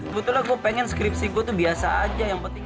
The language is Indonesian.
sebetulnya gue pengen skripsi gue tuh biasa aja yang penting